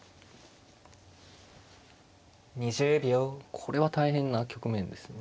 これは大変な局面ですね。